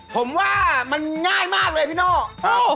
ผมว่ามันง่ายมากเลยพี่โน่